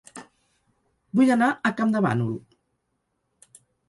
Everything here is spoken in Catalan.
Vull anar a Campdevànol